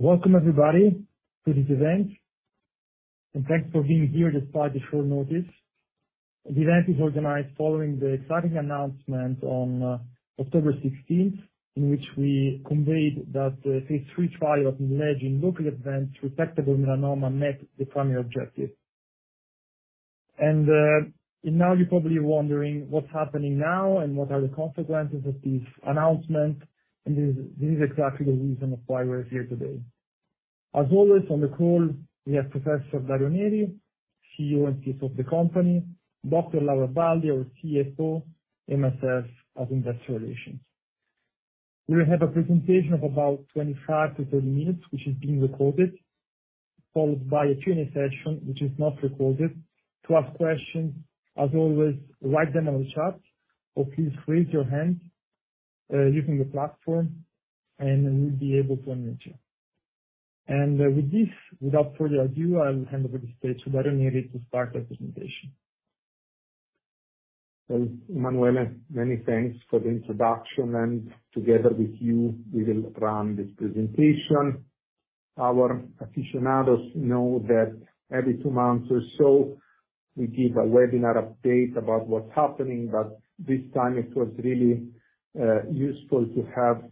Welcome everybody to this event, and thanks for being here despite the short notice. The event is organized following the exciting announcement on October 16th, in which we conveyed that the phase III trial of Nidlegy locally advanced resectable melanoma met the primary objective. And now you're probably wondering what's happening now, and what are the consequences of this announcement, and this is exactly the reason of why we're here today. As always, on the call, we have Professor Dario Neri, CEO and CSO of the company, Dr. Laura Baldi, our CFO, and myself as investor relations. We'll have a presentation of about 25-30 minutes, which is being recorded, followed by a Q&A session, which is not recorded. To ask questions, as always, write them on the chat, or please raise your hand using the platform, and we'll be able to unmute you. With this, without further ado, I'll hand over the stage to Dario Neri to start the presentation. So Emanuele, many thanks for the introduction, and together with you, we will run this presentation. Our aficionados know that every two months or so, we give a webinar update about what's happening, but this time it was really useful to have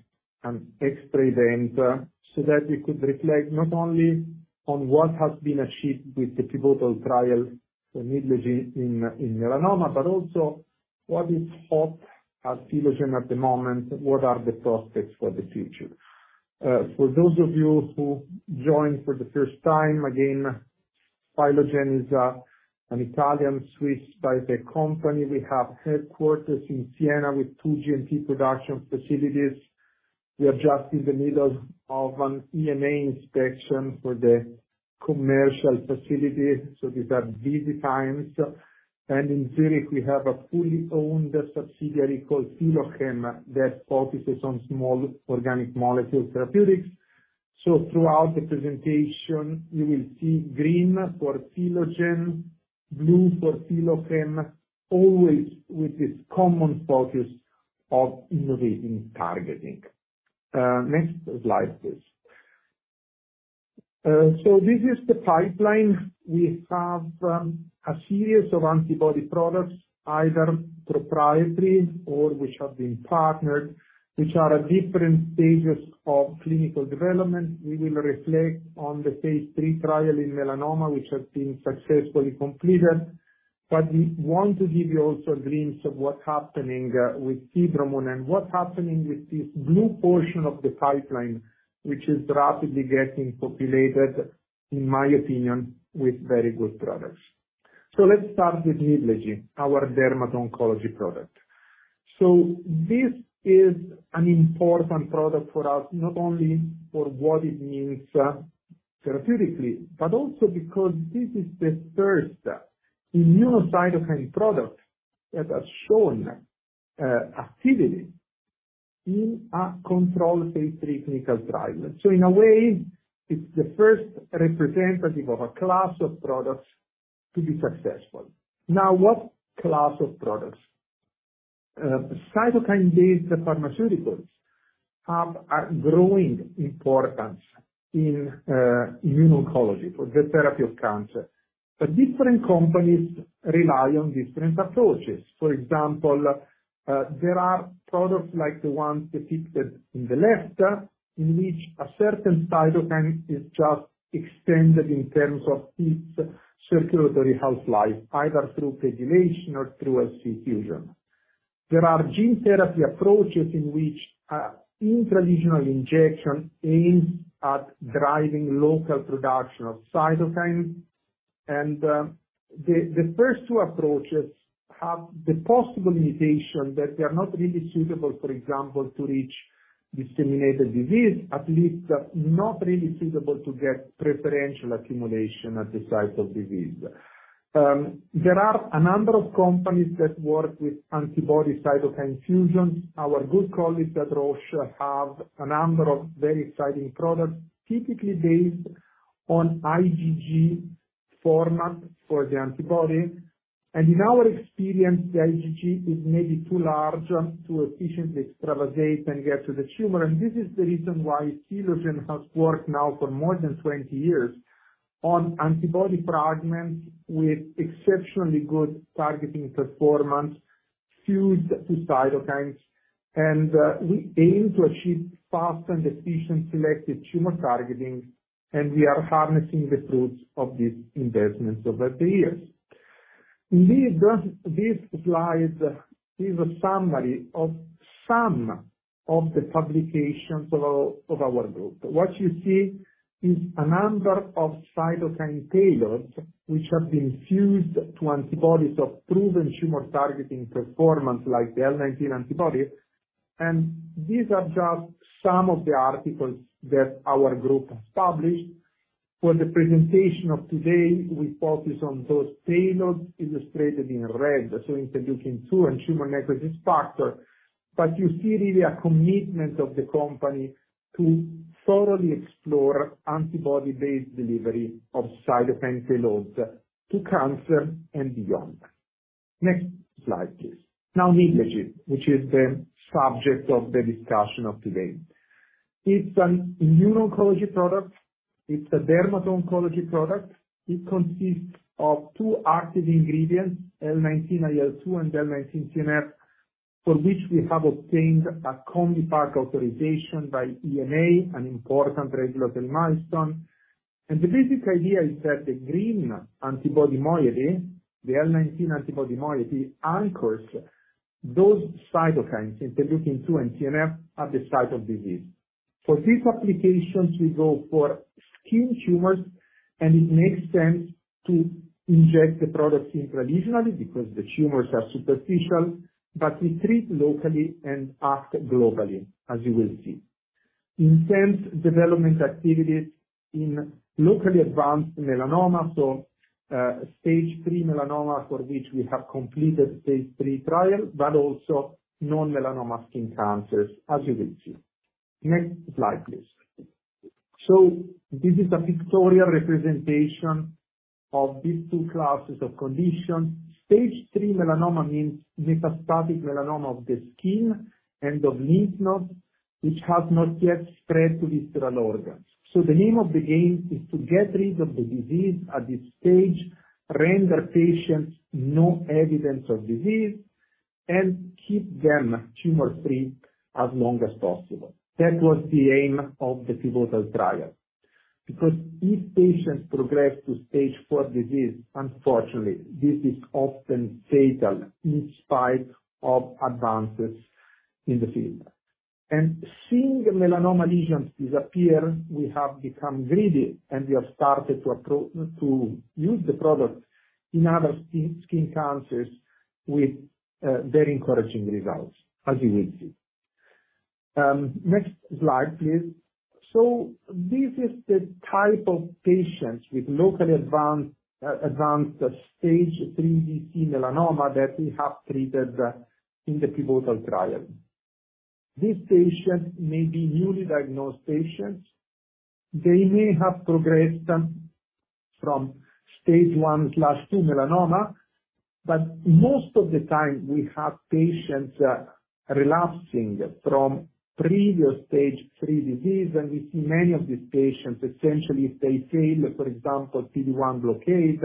an extra event so that we could reflect not only on what has been achieved with the pivotal trial for Nidlegy in melanoma, but also what is hot at Philogen at the moment, what are the prospects for the future? For those of you who joined for the first time, again, Philogen is an Italian-Swiss biotech company. We have headquarters in Siena with two GMP production facilities. We are just in the middle of an EMA inspection for the commercial facility, so these are busy times. In Zürich, we have a fully owned subsidiary called Philochem, that focuses on small organic molecule therapeutics. So throughout the presentation, you will see green for Philogen, blue for Philochem, always with this common focus of innovating, targeting. Next slide, please. So this is the pipeline. We have a series of antibody products, either proprietary or which have been partnered, which are at different stages of clinical development. We will reflect on the phase III trial in melanoma, which has been successfully completed. But we want to give you also a glimpse of what's happening with Fibromun, and what's happening with this blue portion of the pipeline, which is rapidly getting populated, in my opinion, with very good products. So let's start with Nidlegy, our derma oncology product. So this is an important product for us, not only for what it means, therapeutically, but also because this is the first immunocytokine product that has shown activity in a controlled phase III clinical trial. So in a way, it's the first representative of a class of products to be successful. Now, what class of products? Cytokine-based pharmaceuticals have a growing importance in immuno-oncology for the therapy of cancer, but different companies rely on different approaches. For example, there are products like the ones depicted in the left, in which a certain cytokine is just extended in terms of its circulatory half-life, either through pegylation or through a fusion. There are gene therapy approaches in which intralesional injection aims at driving local production of cytokine. The first two approaches have the possible limitation that they are not really suitable, for example, to reach disseminated disease, at least not really suitable to get preferential accumulation at the site of disease. There are a number of companies that work with antibody cytokine fusion. Our good colleagues at Roche have a number of very exciting products, typically based on IgG format for the antibody. And in our experience, the IgG is maybe too large to efficiently extravasate and get to the tumor, and this is the reason why Philogen has worked now for more than 20 years on antibody fragments with exceptionally good targeting performance, fused to cytokines. We aim to achieve fast and efficient selected tumor targeting, and we are harnessing the fruits of these investments over the years. In this, this slide is a summary of some of the publications of our, of our group. What you see is a number of cytokine payloads, which have been fused to antibodies of proven tumor targeting performance, like the L19 antibody, and these are just some of the articles that our group has published. For the presentation of today, we focus on those payloads illustrated in red, so Interleukin-2 and tumor necrosis factor. But you see really a commitment of the company to thoroughly explore antibody-based delivery of cytokine payloads to cancer and beyond. Next slide, please. Now, Nidlegy, which is the subject of the discussion of today. It's an immuno-oncology product. It's a dermatology product. It consists of two active ingredients, L19IL2 and L19TNF, for which we have obtained a Combi Pak authorization by EMA, an important regulatory milestone. The basic idea is that the green antibody moiety, the L19 antibody moiety, anchors those cytokines, Interleukin-2 and TNF, at the site of disease. For these applications, we go for skin tumors, and it makes sense to inject the product intradermally because the tumors are superficial, but we treat locally and act globally, as you will see. Intense development activities in locally advanced melanoma, so stage three melanoma, for which we have completed phase three trial, but also non-melanoma skin cancers, as you will see. Next slide, please. This is a pictorial representation of these two classes of conditions. Stage three melanoma means metastatic melanoma of the skin and of lymph nodes, which has not yet spread to visceral organs. So the name of the game is to get rid of the disease at this stage, render patients no evidence of disease, and keep them tumor-free as long as possible. That was the aim of the pivotal trial, because if patients progress to stage four disease, unfortunately, this is often fatal in spite of advances in the field. Seeing the melanoma lesions disappear, we have become greedy, and we have started to use the product in other skin, skin cancers with, very encouraging results, as you will see. Next slide, please. This is the type of patients with locally advanced, advanced stage three disease melanoma that we have treated, in the pivotal trial. These patients may be newly diagnosed patients. They may have progressed from stage 1+2 melanoma, but most of the time, we have patients relapsing from previous stage 3 disease, and we see many of these patients, essentially, if they fail, for example, PD-1 blockade,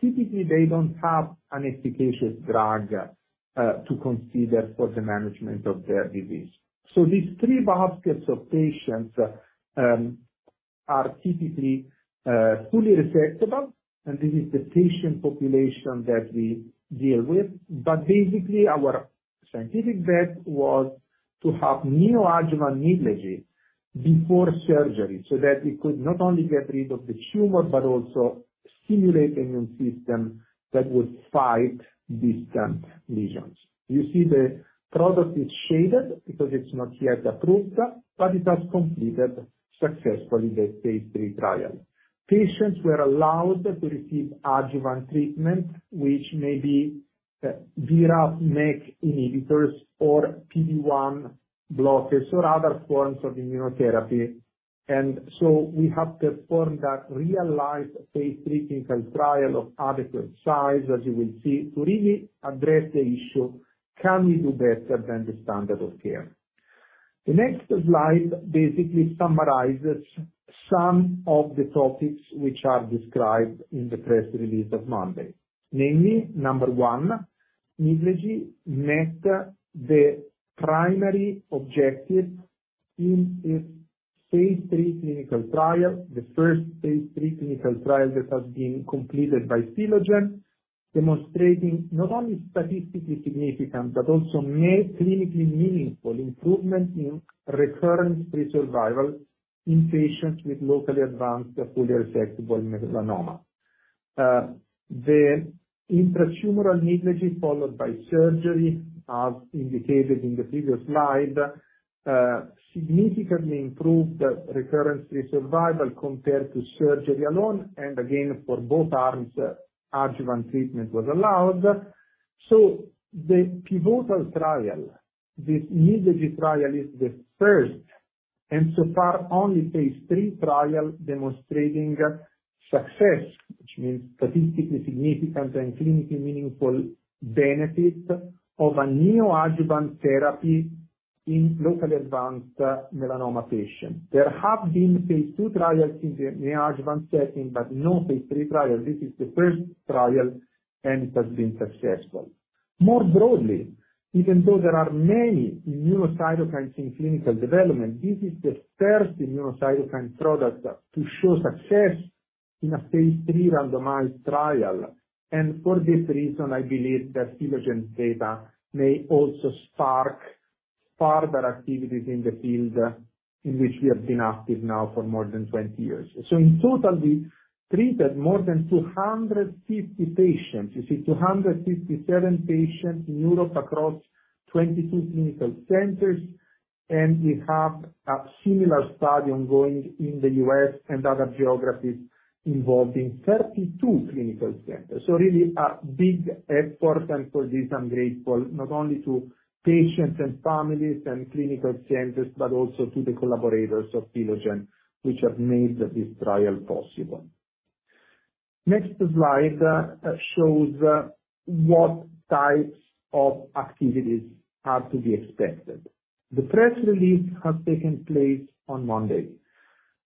typically, they don't have an efficacious drug to consider for the management of their disease. So these three baskets of patients are typically fully resectable, and this is the patient population that we deal with. But basically, our scientific bet was to have neoadjuvant Nidlegy before surgery so that we could not only get rid of the tumor, but also stimulate the immune system that would fight distant lesions. You see the product is shaded because it's not yet approved, but it has completed successfully the phase III trial. Patients were allowed to receive adjuvant treatment, which may be BRAF/MEK inhibitors or PD-1 blockers or other forms of immunotherapy. So we have performed a real-life phase III clinical trial of adequate size, as you will see, to really address the issue, can we do better than the standard of care? The next slide basically summarizes some of the topics which are described in the press release of Monday. Namely, number one, Nidlegy met the primary objective in its phase III clinical trial, the first phase III clinical trial that has been completed by Philogen, demonstrating not only statistically significant, but also clinically meaningful improvement in recurrence-free survival in patients with locally advanced fully resectable melanoma. The intratumoral Nidlegy, followed by surgery, as indicated in the previous slide, significantly improved recurrence-free survival compared to surgery alone, and again, for both arms, adjuvant treatment was allowed. So the pivotal trial, the Nidlegy trial, is the first and so far only phase III trial demonstrating success, which means statistically significant and clinically meaningful benefit of a neoadjuvant therapy in locally advanced melanoma patients. There have been phase II trials in the neoadjuvant setting, but no phase III trial. This is the first trial, and it has been successful. More broadly, even though there are many immunocytokines in clinical development, this is the first immunocytokine product to show success in a phase III randomized trial. And for this reason, I believe that Philogen data may also spark further activities in the field, in which we have been active now for more than 20 years. So in total, we treated more than 250 patients. You see, 257 patients in Europe across 22 clinical centers, and we have a similar study ongoing in the U.S. and other geographies involving 32 clinical centers. So really a big effort, and for this, I'm grateful not only to patients and families and clinical centers, but also to the collaborators of Philogen, which have made this trial possible. Next slide shows what types of activities are to be expected. The press release has taken place on Monday.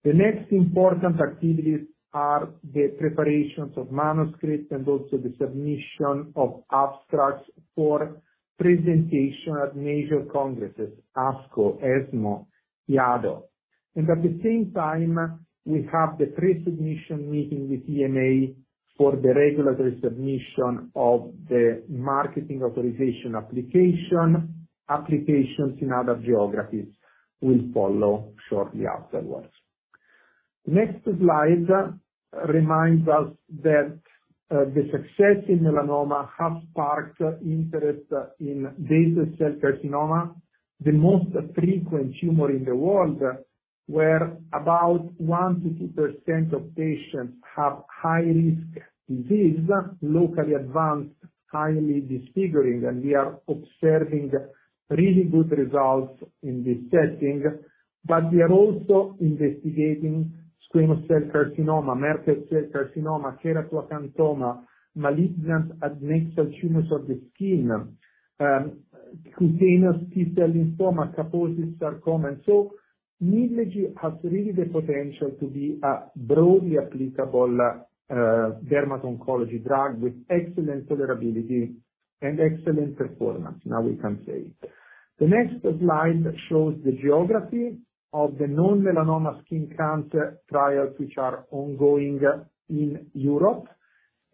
The next important activities are the preparations of manuscripts and also the submission of abstracts for presentation at major congresses, ASCO, ESMO, EADO. And at the same time, we have the pre-submission meeting with EMA for the regulatory submission of the marketing authorization application. Applications in other geographies will follow shortly afterwards. Next slide reminds us that the success in melanoma has sparked interest in basal cell carcinoma, the most frequent tumor in the world, where about 1%-2% of patients have high-risk disease, locally advanced, highly disfiguring, and we are observing really good results in this setting. But we are also investigating squamous cell carcinoma, Merkel cell carcinoma, keratoacanthoma, malignant adnexal tumors of the skin, cutaneous T-cell lymphoma, Kaposi sarcoma. So, Nidlegy has really the potential to be a broadly applicable, dermatology oncology drug with excellent tolerability and excellent performance, now we can say. The next slide shows the geography of the non-melanoma skin cancer trials, which are ongoing in Europe,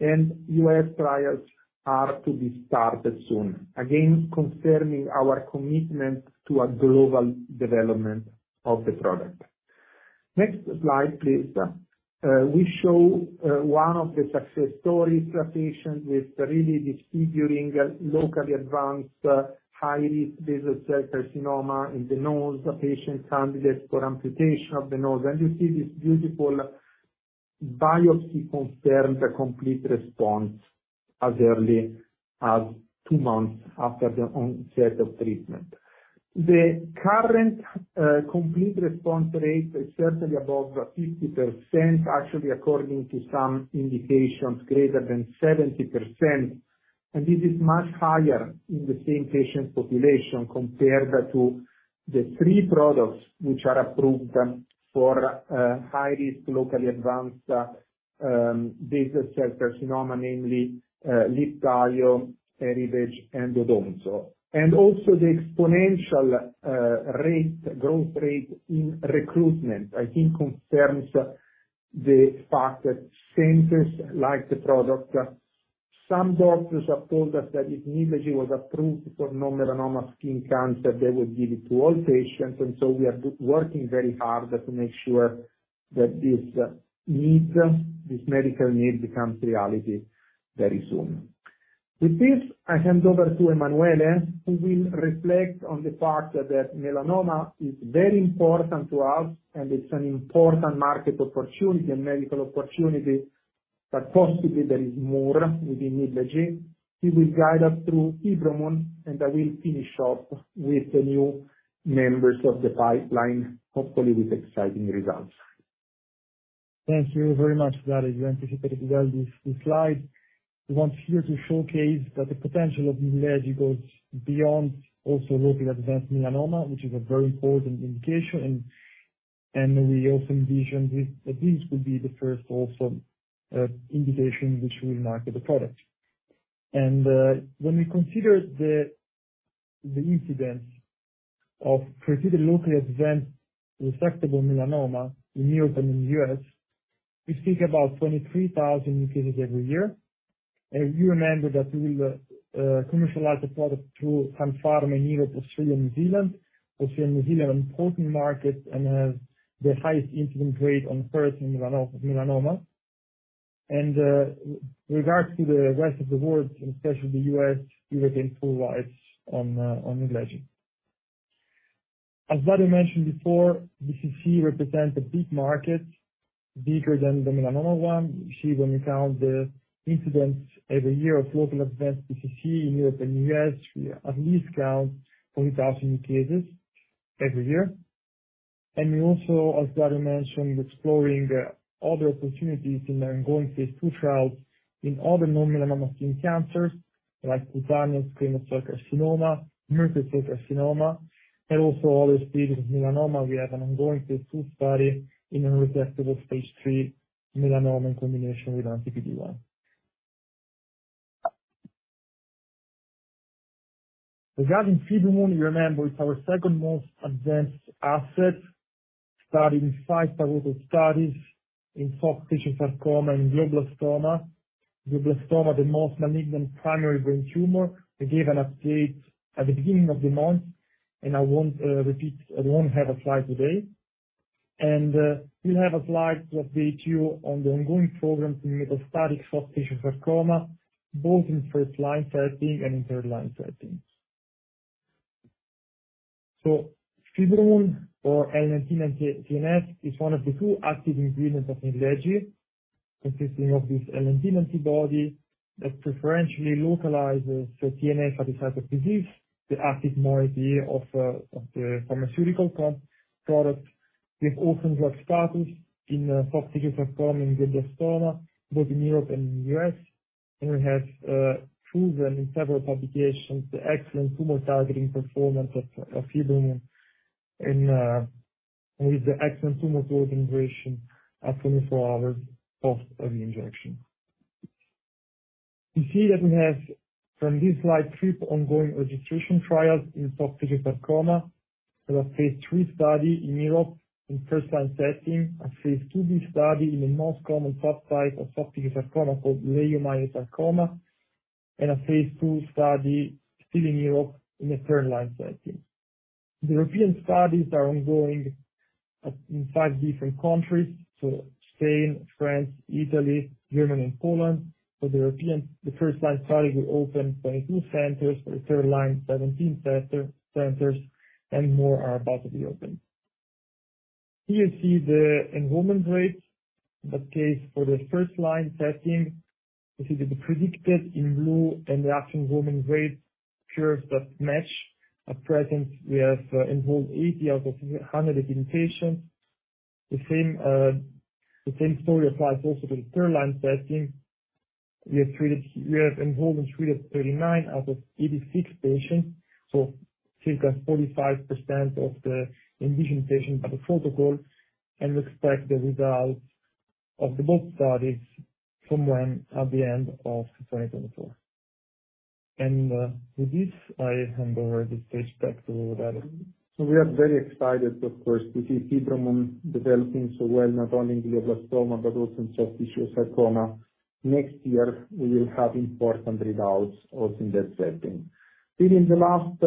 and U.S. trials are to be started soon. Again, confirming our commitment to a global development of the product. Next slide, please. We show one of the success stories, a patient with really disfiguring, locally advanced, high-risk basal cell carcinoma in the nose. The patient candidate for amputation of the nose, and you see this beautiful biopsy confirmed a complete response as early as two months after the onset of treatment. The current complete response rate is certainly above 50%, actually, according to some indications, greater than 70%, and this is much higher in the same patient population compared to the three products which are approved for high-risk, locally advanced basal cell carcinoma, namely, Libtayo, Erivedge, and Odomzo. Also the exponential rate, growth rate in recruitment, I think concerns the fact that centers like the product. Some doctors have told us that if Nidlegy was approved for non-melanoma skin cancer, they would give it to all patients, and so we are working very hard to make sure that this need, this medical need becomes reality very soon. With this, I hand over to Emanuele, who will reflect on the fact that melanoma is very important to us, and it's an important market opportunity and medical opportunity, but possibly there is more within Nidlegy. He will guide us through Fibromun, and I will finish up with the new members of the pipeline, hopefully with exciting results. Thank you very much, Dario. You anticipated well this slide. We want here to showcase that the potential of Nidlegy goes beyond also locally advanced melanoma, which is a very important indication, and we also envisioned this, that this would be the first also indication which will market the product. And, when we consider the incidence of particularly locally advanced resectable melanoma in Europe and in the US, we speak about 23,000 new cases every year. And you remember that we will commercialize the product through Sun Pharma in Europe, Australia, New Zealand. Australia and New Zealand are important markets and have the highest incidence rate on first melanoma. And, regards to the rest of the world, especially the U.S., we retain full rights on, on Nidlegy. As Dario mentioned before, BCC represents a big market, bigger than the melanoma 1. You see, when we count the incidence every year of locally advanced BCC in Europe and U.S., we at least count 40,000 new cases every year. And we also, as Dario mentioned, exploring other opportunities in our ongoing phase II trials in other non-melanoma skin cancers, like squamous cell carcinoma, Merkel cell carcinoma, and also other stages of melanoma. We have an ongoing phase II study in unresectable stage 3 melanoma in combination with anti-PD-1. Regarding Fibromun, you remember, it's our second most advanced asset, studying 5 pivotal studies in soft tissue sarcoma and glioblastoma. Glioblastoma, the most malignant primary brain tumor. I gave an update at the beginning of the month, and I won't repeat, I won't have a slide today. We'll have a slide to update you on the ongoing programs in metastatic soft tissue sarcoma, both in first-line setting and in third-line setting. So Fibromun or L19TNF is one of the two active ingredients of Nidlegy, consisting of this L19 antibody that preferentially localizes the TNF at the site of disease, the active moiety of the pharmaceutical product. We've also got status in soft tissue sarcoma, glioblastoma, both in Europe and in the US, and we have proven in several publications the excellent tumor targeting performance of Fibromun and with the excellent tumor growth inhibition at 24 hours post of the injection. You see that we have, from this slide, three ongoing registration trials in soft tissue sarcoma, and a phase III study in Europe in first-line setting, a phase IIb study in the most common subtype of soft tissue sarcoma called leiomyosarcoma, and a phase II study still in Europe in a third-line setting. The European studies are ongoing in five different countries, so Spain, France, Italy, Germany, and Poland. For the European, the first-line study, we opened 22 centers, for the third-line, 17 centers, and more are about to be opened. Here you see the enrollment rate. In that case, for the first-line setting, you see the predicted in blue and the actual enrollment rate curves that match. At present, we have enrolled 80 out of 180 patients. The same, the same story applies also to the third line setting. We have enrolled and treated 39 out of 86 patients, so circa 45% of the envisioned patients of the protocol, and we expect the results of the both studies somewhere at the end of 2024. And, with this, I hand over the stage back to Dario. So we are very excited, of course, to see Fibromun developing so well, not only in glioblastoma, but also in soft tissue sarcoma. Next year, we will have important results also in that setting. During the last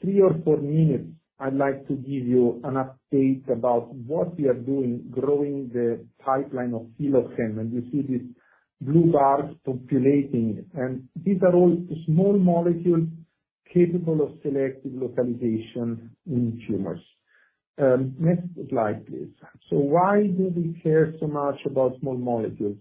three or four minutes, I'd like to give you an update about what we are doing growing the pipeline of Philochem, and you see this blue bar populating, and these are all small molecules capable of selective localization in tumors. Next slide, please. So why do we care so much about small molecules?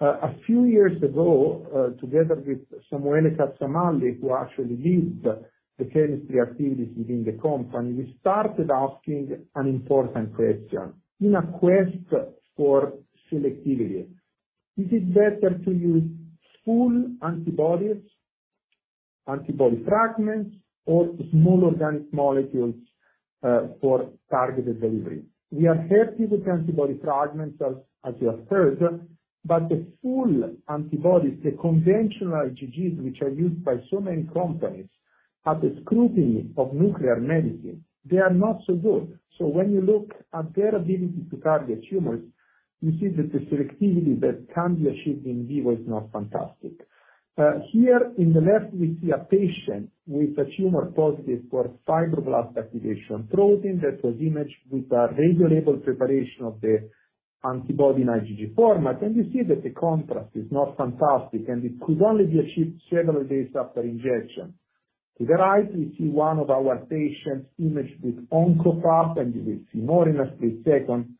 A few years ago, together with Samuele Cazzamalli, who actually leads the chemistry activities within the company, we started asking an important question. In a quest for selectivity, is it better to use full antibodies, antibody fragments, or small organic molecules for targeted delivery? We are happy with antibody fragments, as you have heard, but the full antibodies, the conventional IgGs, which are used by so many companies, at the scrutiny of nuclear medicine, they are not so good. So when you look at their ability to target tumors, you see that the selectivity that can be achieved in vivo is not fantastic. Here in the left, we see a patient with a tumor positive for fibroblast activation protein that was imaged with a radio label preparation of the antibody in IgG format, and you see that the contrast is not fantastic, and it could only be achieved several days after injection. To the right, we see one of our patients imaged with OncoFAP, and you will see more images in a second,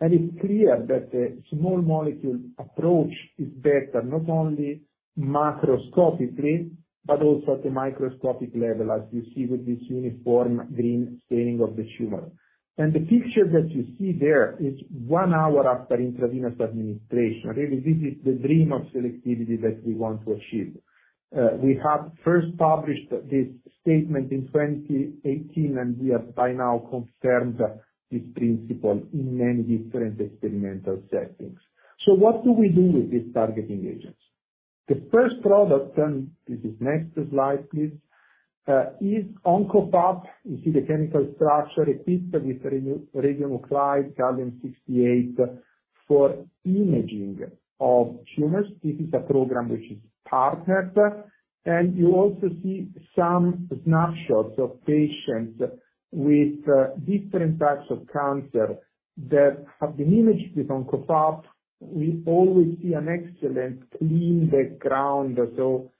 and it's clear that the small molecule approach is better, not only macroscopically, but also at the microscopic level, as you see with this uniform green staining of the tumor. And the picture that you see there is one hour after intravenous administration. Really, this is the dream of selectivity that we want to achieve. We have first published this statement in 2018, and we have by now confirmed this principle in many different experimental settings. So what do we do with these targeting agents? The first product, and this is next slide, please, is OncoFAP. You see the chemical structure equipped with a radionuclide, Gallium-68, for imaging of tumors. This is a program which is partnered, and you also see some snapshots of patients with different types of cancer that have been imaged with OncoFAP. We always see an excellent clean background. So,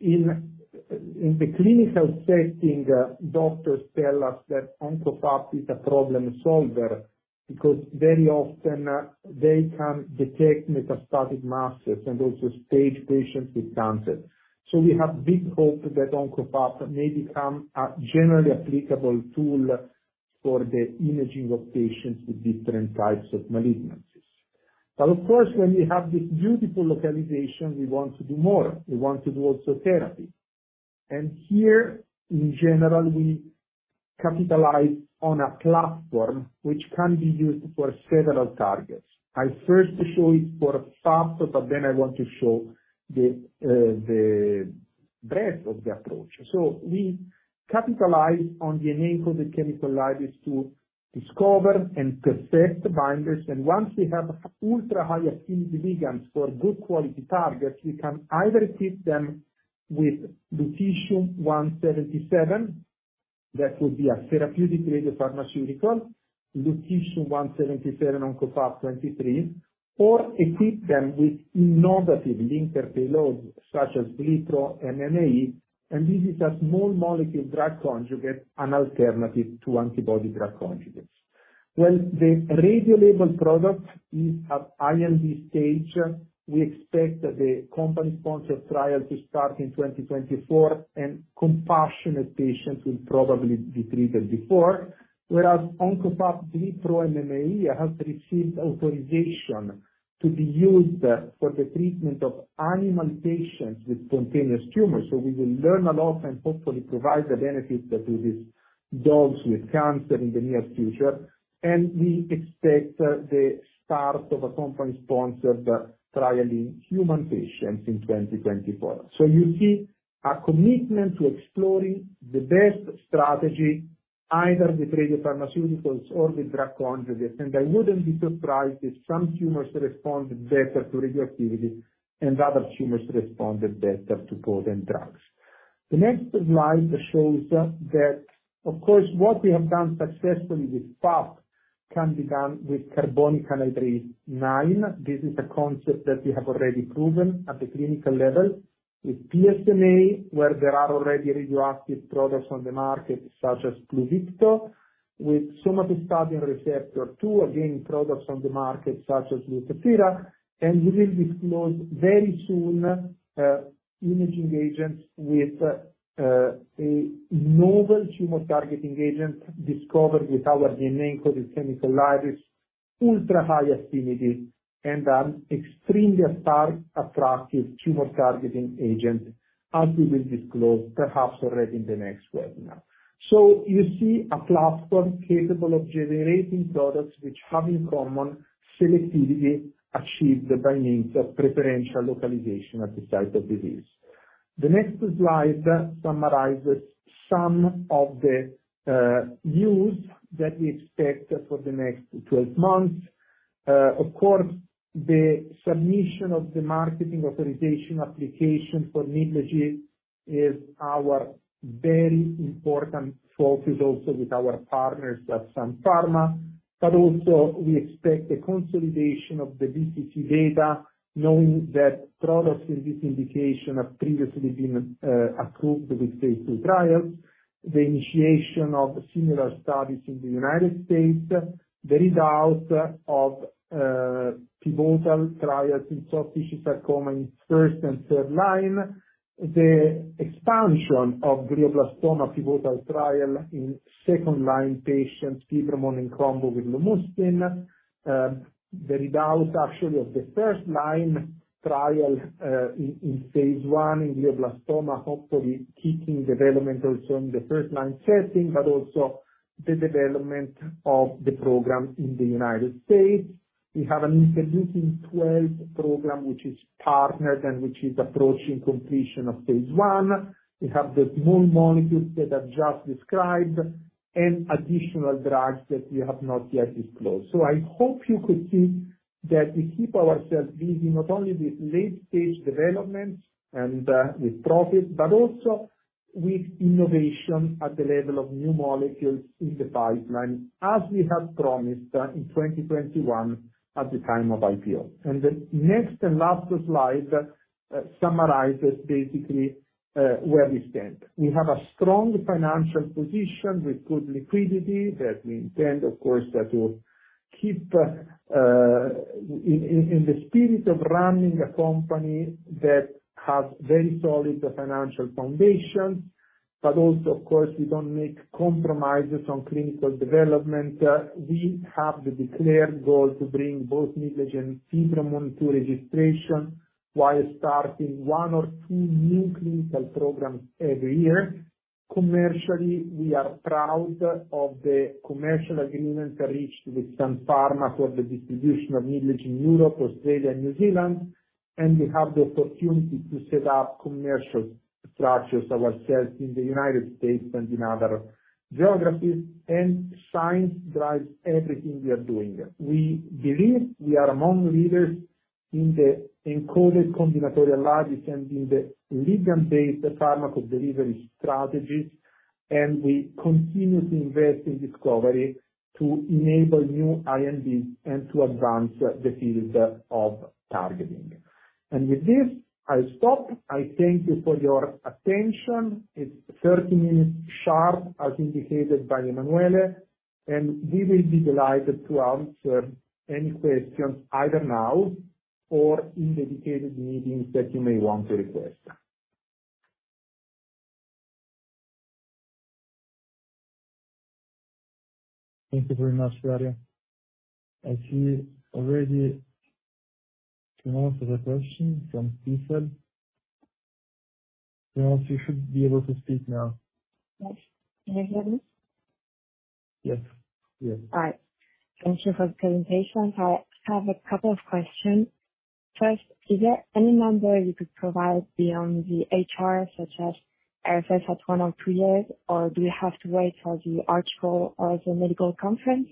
in the clinical setting, doctors tell us that OncoFAP is a problem solver, because very often, they can detect metastatic masses and also stage patients with cancer. So we have big hope that OncoFAP may become a generally applicable tool for the imaging of patients with different types of malignancies. But of course, when we have this beautiful localization, we want to do more. We want to do also therapy. And here, in general, we capitalize on a platform which can be used for several targets. I first show it for FAP, but then I want to show the breadth of the approach. So we capitalize on the enabled chemical libraries to discover and perfect the binders, and once we have ultra-high affinity ligands for good quality targets, we can either keep them with lutetium-177, that would be a therapeutic radiopharmaceutical, lutetium-177 OncoFAP-23, or equip them with innovative linker payloads, such as GlyPro-MMAE, and this is a small molecule drug conjugate, an alternative to antibody drug conjugates. Well, the radiolabeled product is at IND stage. We expect that the company-sponsored trial to start in 2024, and compassionate patients will probably be treated before. Whereas OncoFAP GlyPro-MMAE has received authorization to be used for the treatment of animal patients with spontaneous tumors. So we will learn a lot and hopefully provide the benefit to these dogs with cancer in the near future. And we expect the start of a company-sponsored trial in human patients in 2024. So you see, our commitment to exploring the best strategy, either with radiopharmaceuticals or with drug conjugates, and I wouldn't be surprised if some tumors responded better to radioactivity, and other tumors responded better to golden drugs. The next slide shows that, of course, what we have done successfully with FAP can be done with carbonic anhydrase IX. This is a concept that we have already proven at the clinical level. With PSMA, where there are already radioactive products on the market, such as Pluvicto, with somatostatin receptor 2, again, products on the market, such as Lutathera, and we will disclose very soon, imaging agents with a novel tumor-targeting agent discovered with our DNA-encoded chemical libraries, ultra-high affinity, and an extremely stark, attractive tumor-targeting agent, as we will disclose, perhaps already in the next webinar. You see a platform capable of generating products which have in common selectivity, achieved by means of preferential localization at the site of disease. The next slide summarizes some of the news that we expect for the next 12 months. Of course, the submission of the marketing authorization application for Nidlegy is our very important focus, also with our partners at Sun Pharma. But also, we expect the consolidation of the BCC data, knowing that products in this indication have previously been approved with phase II trials. The initiation of similar studies in the United States, the readouts of pivotal trials in soft tissue sarcoma in first- and third-line, the expansion of glioblastoma pivotal trial in second-line patients, Fibromun in combo with Lomustine. The readouts, actually, of the first-line trial in phase I in glioblastoma, hopefully kicking development also in the first-line setting, but also the development of the program in the United States. We have an Interleukin-12 program, which is partnered and which is approaching completion of phase I. We have the new molecules that I've just described and additional drugs that we have not yet disclosed. So I hope you could see that we keep ourselves busy, not only with late-stage development and with profit, but also with innovation at the level of new molecules in the pipeline, as we have promised in 2021 at the time of IPO. The next and last slide summarizes basically where we stand. We have a strong financial position with good liquidity that we intend, of course, that will keep in the spirit of running a company that has very solid financial foundation, but also, of course, we don't make compromises on clinical development. We have the declared goal to bring both Nidlegy and Fibromun to registration, while starting one or two new clinical programs every year. Commercially, we are proud of the commercial agreement reached with Sun Pharma for the distribution of Nidlegy in Europe, Australia, and New Zealand. We have the opportunity to set up commercial structures ourselves in the United States and in other geographies. Science drives everything we are doing. We believe we are among leaders in the encoded combinatorial libraries and in the ligand-based pharmacodelivery strategies. We continue to invest in discovery to enable new INDs and to advance the field of targeting. With this, I stop. I thank you for your attention. It's 30 minutes sharp, as indicated by Emanuele, and we will be delighted to answer any questions, either now or in dedicated meetings that you may want to request. Thank you very much, Dario. I see already another question from Eiffel. Yes, you should be able to speak now. Yes. Can you hear me? Yes. Yes. All right. Thank you for the presentation. I have a couple of questions. First, is there any number you could provide beyond the HR, such as RFS at one or two years, or do you have to wait for the article or the medical conference?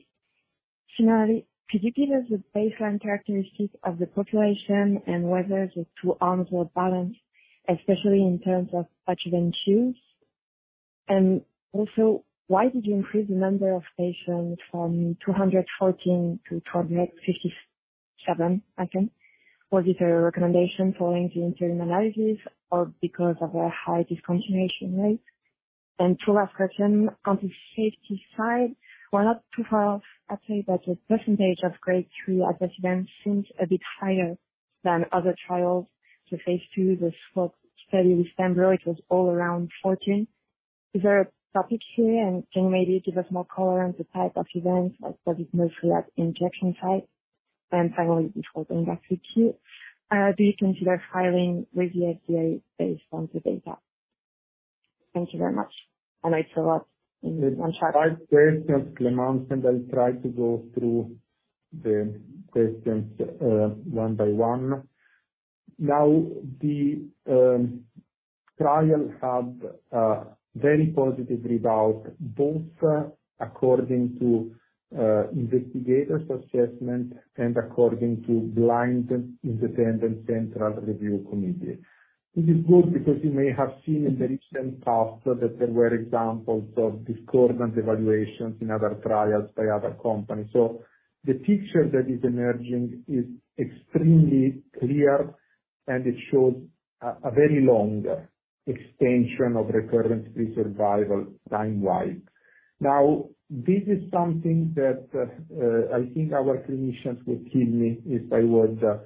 Finally, could you give us the baseline characteristics of the population and whether the two arms were balanced, especially in terms of patient choose? And also, why did you increase the number of patients from 214 to 256?... 257, I think. Was it a recommendation following the interim analysis or because of a high discontinuation rate? And two last question, on the safety side, well, not too far, I'd say that the percentage of grade 2 adverse events seems a bit higher than other trials. The phase II, the scope study with pembro, it was all around 14%. Is there a topic here? Can you maybe give us more color on the type of events, like was it mostly at injection site? Finally, before going back to you, do you consider filing with the FDA based on the data? Thank you very much. I know it's a lot in one shot. Five questions, Clément, and I'll try to go through the questions, one by one. Now, the trial had a very positive result, both according to investigators' assessment and according to Blinded Independent Central Review committee. This is good because you may have seen in the recent past that there were examples of discordant evaluations in other trials by other companies. So the picture that is emerging is extremely clear, and it shows a very long extension of Recurrence-Free Survival time-wise. Now, this is something that I think our clinicians will kill me if I were to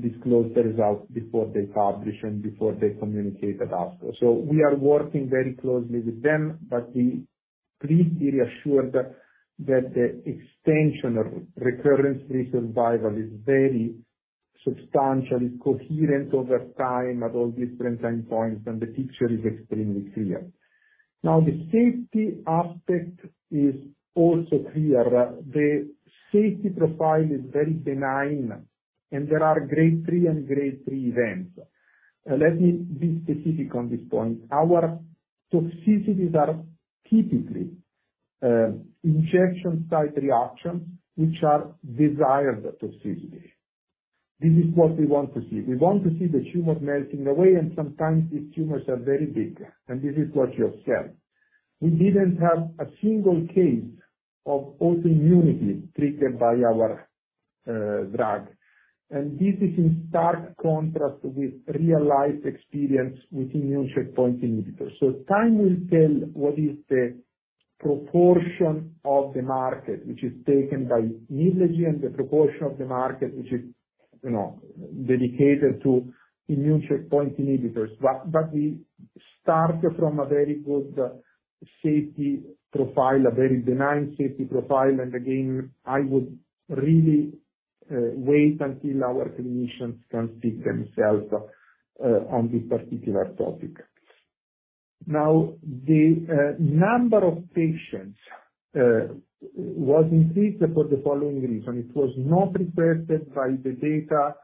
disclose the results before they publish and before they communicate at ASCO. So we are working very closely with them, but please be reassured that the extension of Recurrence-Free Survival is very substantial. It's coherent over time at all different time points, and the picture is extremely clear. Now, the safety aspect is also clear. The safety profile is very benign, and there are grade 3 and grade 3 events. Let me be specific on this point. Our toxicities are typically injection site reactions, which are desired toxicity. This is what we want to see. We want to see the tumors melting away, and sometimes these tumors are very big, and this is what you observe. We didn't have a single case of autoimmunity triggered by our drug, and this is in stark contrast with real-life experience with immune checkpoint inhibitors. So time will tell what is the proportion of the market, which is taken by Nidlegy, the proportion of the market, which is, you know, dedicated to immune checkpoint inhibitors. But we start from a very good safety profile, a very benign safety profile, and again, I would really wait until our clinicians can speak themselves on this particular topic. Now, the number of patients was increased for the following reason. It was not requested by the data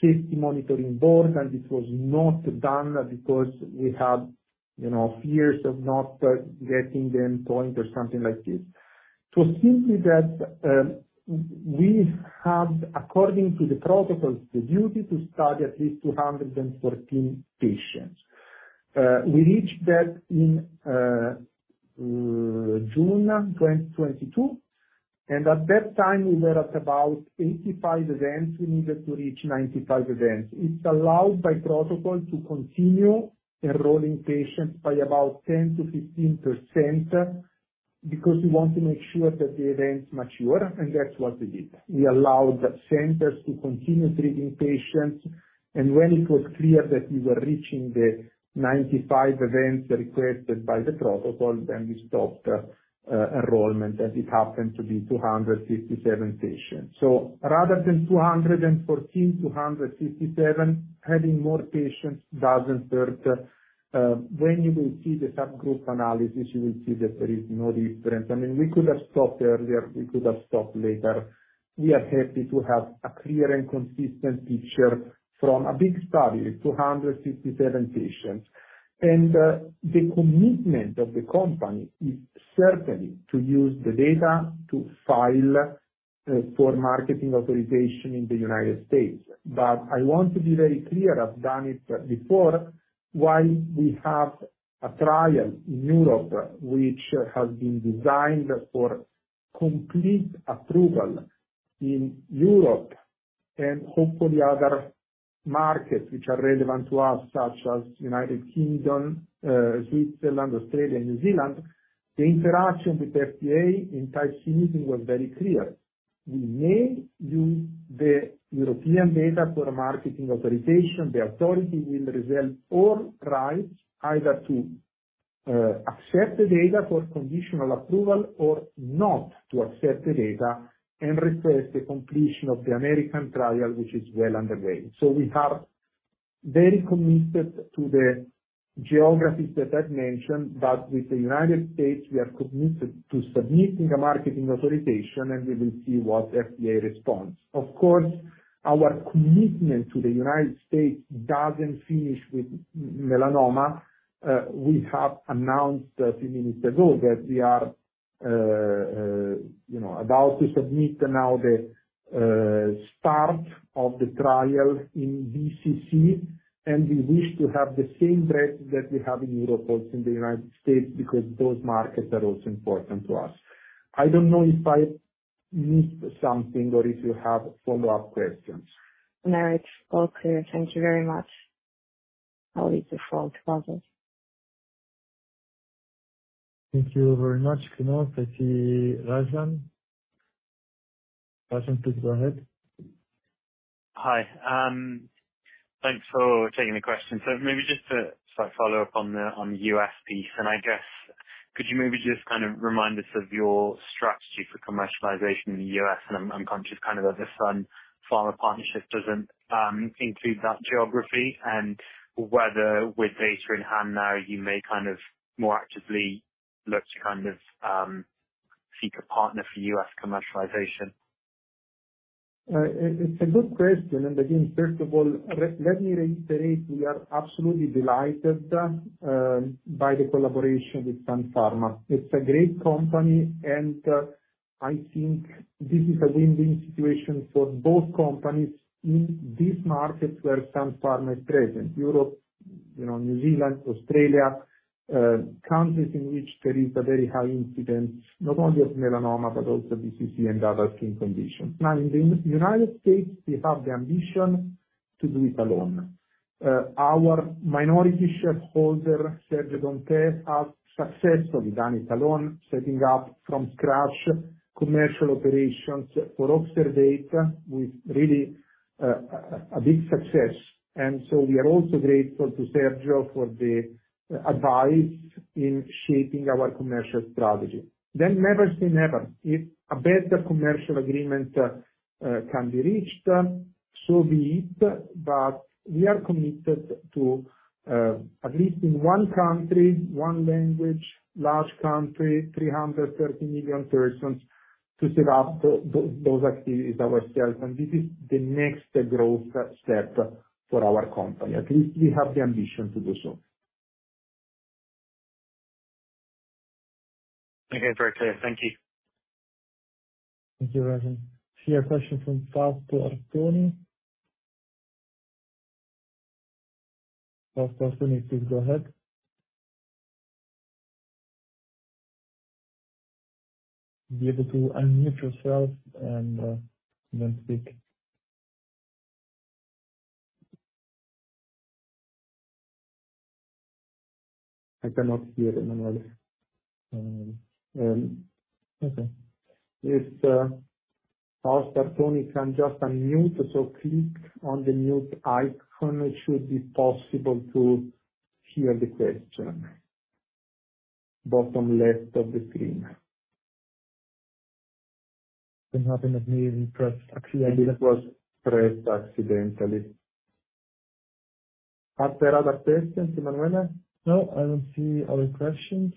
safety monitoring board, and it was not done because we had, you know, fears of not getting them going or something like this. It was simply that, we had, according to the protocol, the duty to study at least 214 patients. We reached that in June 2022, and at that time, we were at about 85 events. We needed to reach 95 events. It's allowed by protocol to continue enrolling patients by about 10%-15%, because we want to make sure that the events mature, and that's what we did. We allowed the centers to continue treating patients, and when it was clear that we were reaching the 95 events requested by the protocol, then we stopped enrollment, and it happened to be 257 patients. So rather than 214, 257, having more patients doesn't hurt. When you will see the subgroup analysis, you will see that there is no difference. I mean, we could have stopped earlier. We could have stopped later. We are happy to have a clear and consistent picture from a big study, 257 patients. The commitment of the company is certainly to use the data to file for marketing authorization in the United States. But I want to be very clear, I've done it before. While we have a trial in Europe, which has been designed for complete approval in Europe and hopefully other markets which are relevant to us, such as United Kingdom, Switzerland, Australia, New Zealand, the interaction with FDA in type meeting was very clear. We may use the European data for marketing authorization. The authority will reserve all rights, either to accept the data for conditional approval or not to accept the data and request the completion of the American trial, which is well underway. So we are very committed to the geographies that I've mentioned, but with the United States, we are committed to submitting a marketing authorization, and we will see what FDA responds. Of course, our commitment to the United States doesn't finish with melanoma. We have announced a few minutes ago that we are, you know, about to submit now the start of the trial in BCC, and we wish to have the same breadth that we have in Europe, also in the United States, because those markets are also important to us. I don't know if I missed something or if you have follow-up questions. No, it's all clear. Thank you very much. How is the fraud model? Thank you very much, Clément. Thank you, Rajan. Rajan, please go ahead. Hi, thanks for taking the question. So maybe just to sort of follow up on the U.S. piece, and I guess, could you maybe just kind of remind us of your strategy for commercialization in the U.S.? And I'm conscious kind of that the Sun Pharma partnership doesn't include that geography, and whether with data in hand now, you may kind of more actively look to kind of seek a partner for U.S. commercialization. It's a good question, and again, first of all, let me reiterate, we are absolutely delighted by the collaboration with Sun Pharma. It's a great company, and I think this is a win-win situation for both companies in these markets where Sun Pharma is present, Europe, you know, New Zealand, Australia, countries in which there is a very high incidence, not only of melanoma, but also BCC and other skin conditions. Now, in the United States, we have the ambition to do it alone. Our minority shareholder, Sergio Dompé, has successfully done it alone, setting up from scratch commercial operations for Oxervate, with really a big success. And so we are also grateful to Sergio for the advice in shaping our commercial strategy. Then never say never, if a better commercial agreement can be reached, so be it. But we are committed to at least in one country, one language, large country, 330 million persons, to set up those activities ourselves, and this is the next growth step for our company. At least we have the ambition to do so. Okay. Very clear. Thank you. Thank you, Rajan. See a question from Pastor Tony. Pastor Tony, please go ahead. Be able to unmute yourself and then speak. I cannot hear him well. Okay. If Pastor Tony can just unmute, so click on the mute icon, it should be possible to hear the question. Bottom left of the screen. It happened that maybe pressed accidentally. Maybe it was pressed accidentally. Are there other questions, Emanuela? No, I don't see other questions.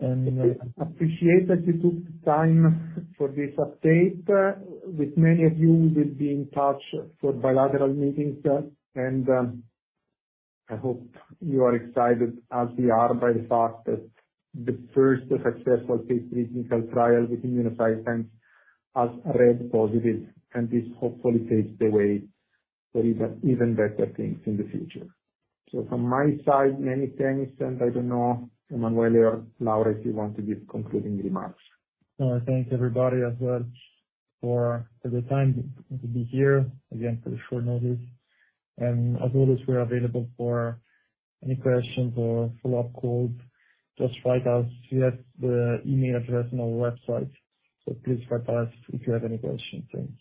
Appreciate that you took the time for this update. With many of you, we will be in touch for bilateral meetings, and I hope you are excited as we are by the fact that the first successful phase III clinical trial with immunocytokine has read positive, and this hopefully paves the way for even, even better things in the future. So from my side, many thanks, and I don't know, Emanuele or Laura, if you want to give concluding remarks. No, I thank everybody as well for the time to be here, again, pretty short notice, and as always, we're available for any questions or follow-up calls. Just write us. We have the email address on our website, so please write to us if you have any questions. Thank you.